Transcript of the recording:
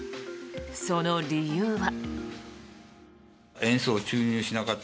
その理由は。